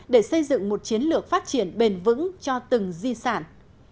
để xây dựng một chiến lược phát triển bền vững cho từng di sản